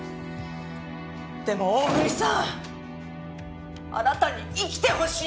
でも大國さんあなたに生きてほしい！